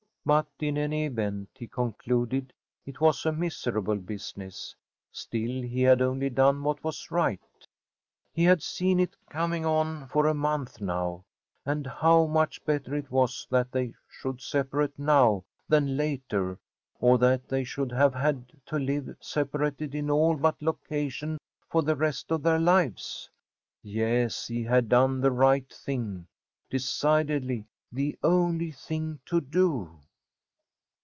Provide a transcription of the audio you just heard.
But, in any event, he concluded, it was a miserable business. Still, he had only done what was right. He had seen it coming on for a month now, and how much better it was that they should separate now than later, or that they should have had to live separated in all but location for the rest of their lives! Yes, he had done the right thing decidedly the only thing to do.